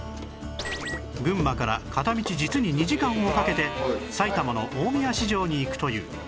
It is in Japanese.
群馬から片道実に２時間をかけて埼玉の大宮市場に行くという